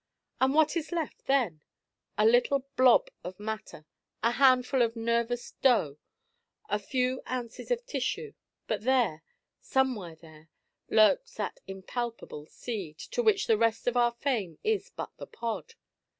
And what is left then? A little blob of matter, a handful of nervous dough, a few ounces of tissue, but there somewhere there lurks that impalpable seed, to which the rest of our frame is but the pod.